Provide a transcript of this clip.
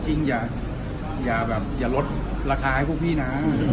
จริงอย่าแบบอย่าลดราคาให้พวกพี่นะ